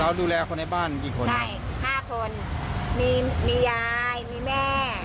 แล้วดูแลคนในบ้านกี่คนครับใช่๕คนมียายมีแม่